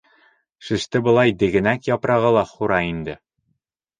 Шеште былай дегәнәк япрағы ла һура инде.